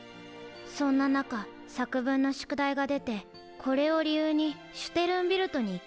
そんな中作文の宿題が出てこれを理由にシュテルンビルトに行こうって。